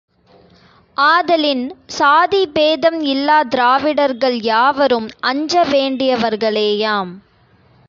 ஆதலின் சாதி பேதம் இல்லா திராவிடர்கள் யாவரும் அஞ்சவேண்டியவர்களேயாம்.